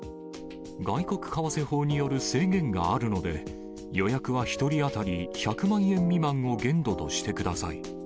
外国為替法による制限があるので、予約は１人当たり１００万円未満を限度としてください。